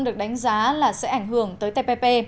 được đánh giá là sẽ ảnh hưởng tới tpp